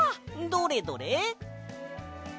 どれどれ？